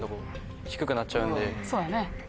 そうやね。